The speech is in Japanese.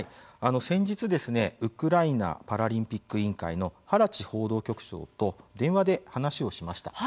先日、ウクライナパラリンピック委員会のハラチ報道局長と電話で話をしました。